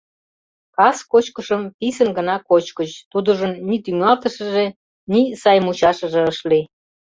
Кас кочкышым писын гына кочкыч, тудыжын ни тӱҥалтышыже, ни сай мучашыже ыш лий.